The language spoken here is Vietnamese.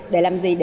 để làm gì